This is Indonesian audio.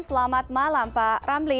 selamat malam pak ramli